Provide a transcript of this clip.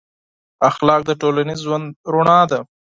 اخلاق د ټولنیز ژوند رڼا ده.